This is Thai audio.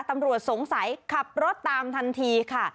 ตำรวจสงสัยขับรถตามทันทีค่ะ